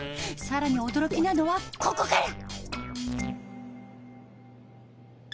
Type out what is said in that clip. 更に驚きなのはここから。